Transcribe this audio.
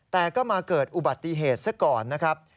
แต่ก็มาเกิดอุบัติเหตุซะก่อนนะครับ